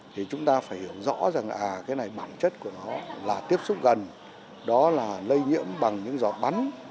thì chúng ta phải hiểu rõ rằng cái này bản chất của nó là tiếp xúc gần đó là lây nhiễm bằng những giọt bắn